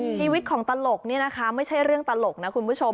ชีวิตของตลกนี่นะคะไม่ใช่เรื่องตลกนะคุณผู้ชม